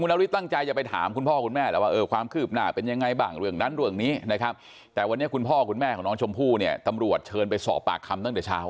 นาริสตั้งใจจะไปถามคุณพ่อคุณแม่แล้วว่าเออความคืบหน้าเป็นยังไงบ้างเรื่องนั้นเรื่องนี้นะครับแต่วันนี้คุณพ่อคุณแม่ของน้องชมพู่เนี่ยตำรวจเชิญไปสอบปากคำตั้งแต่เช้า